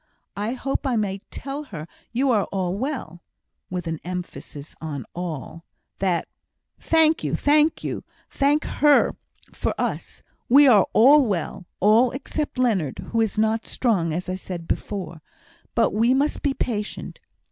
I hope I may tell her you are all well" (with an emphasis on all); "that " "Thank you. Thank her for us. We are all well; all except Leonard, who is not strong, as I said before. But we must be patient.